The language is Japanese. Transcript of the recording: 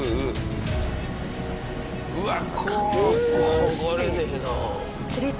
うわっ。